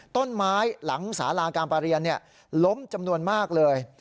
ต้นไม้หลังสาราการประเรียนล้มจำนวนมากเลย